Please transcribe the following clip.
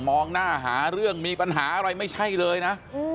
มองหน้าหาเรื่องมีปัญหาอะไรไม่ใช่เลยนะ